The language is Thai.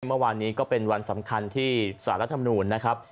เมื่อวานนี้ก็เป็นวันสำคัญที่สารรัฐมนูลนะครับ